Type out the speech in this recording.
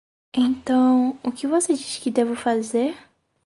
Então, o que você diz que devo fazer?